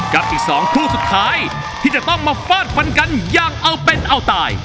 กับอีก๒คู่สุดท้ายที่จะต้องมาฟาดฟันกันอย่างเอาเป็นเอาตาย